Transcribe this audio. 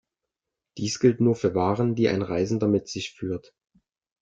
Dies gilt nur für Waren die ein Reisender mit sich führt.